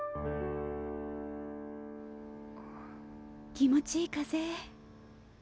気持ちいい風。